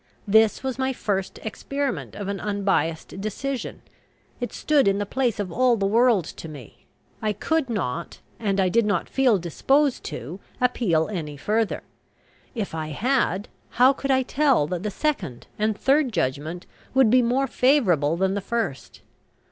This was my first experiment of an unbiassed decision. It stood in the place of all the world to me. I could not, and I did not feel disposed to, appeal any further. If I had, how could I tell that the second and third judgment would be more favourable than the first?